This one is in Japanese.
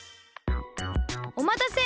おまたせ！